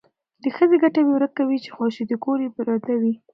د ښځې ګټه دې ورکه شي خو چې کور یې پرده وي.